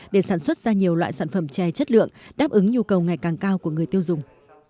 để sản xuất ra nhiều loại sản phẩm chè chất lượng đáp ứng nhu cầu ngày càng cao của người tiêu dùng